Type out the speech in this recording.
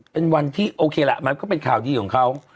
เป็นวันที่โอเคล่ะมันก็เป็นข่าวดีของเขา